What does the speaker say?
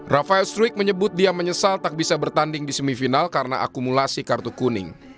rafael struik menyebut dia menyesal tak bisa bertanding di semifinal karena akumulasi kartu kuning